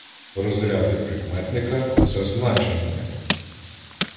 Розряди прикметника за значенням